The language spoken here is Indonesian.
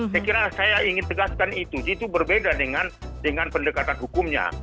saya ingin tegaskan itu itu berbeda dengan pendekatan hukumnya